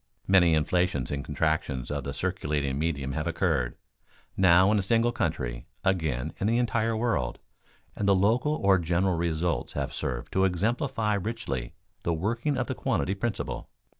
Many inflations and contractions of the circulating medium have occurred, now in a single country, again in the entire world, and the local or general results have served to exemplify richly the working of the quantity principle.